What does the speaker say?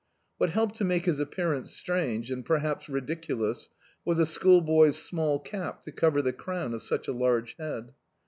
What helped to make his appearance strange, and perhaps ridiculous, was a schoolboy's small cap to cover the crown of such a large head.